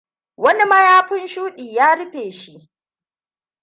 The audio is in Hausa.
Wani mayafin shuɗi ya rufe shi.